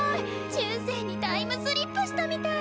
中世にタイムスリップしたみたい！